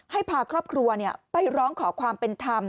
ให้พาครอบครัวไปร้องขอความเป็นธรรม